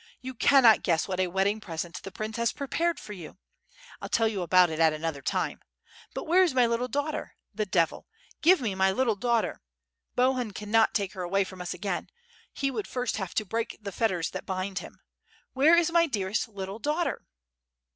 You cannot guess w^hat a wedding present the prince has prepared for you? J '11 tell you about it at another time. But where is my little daughter? The devil! Give me my little daughter. Bohun cannot take her away from us again; he would first have to break the fetters that bind him. Where is my dearest little daughter?"